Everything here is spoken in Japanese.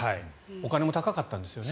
お金も高かったんですよね。